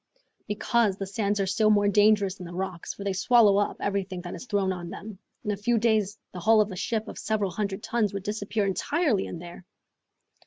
"Because the sands are still more dangerous than the rocks, for they swallow up everything that is thrown on them. In a few days the hull of a ship of several hundred tons would disappear entirely in there!"